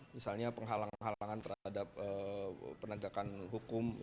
misalnya penghalangan halangan terhadap penegakan hukum